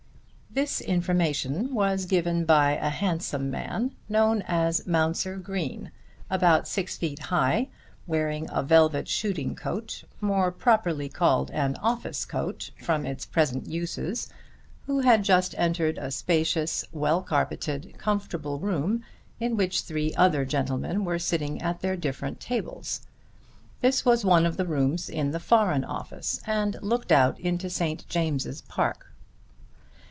This information was given by a handsome man, known as Mounser Green, about six feet high, wearing a velvet shooting coat, more properly called an office coat from its present uses, who had just entered a spacious well carpeted comfortable room in which three other gentlemen were sitting at their different tables. This was one of the rooms in the Foreign Office and looked out into St. James's Park.